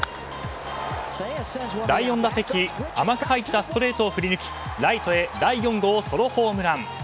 第４打席、甘く入ったストレートを振り抜きライトへ第４号ソロホームラン。